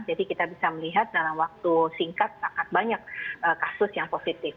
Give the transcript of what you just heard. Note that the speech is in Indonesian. jadi kita bisa melihat dalam waktu singkat sangat banyak kasus yang positif